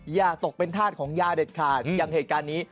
อย่าตกเป็นธาตุของยาเด็ดขาดอย่างเหตุการณ์นี้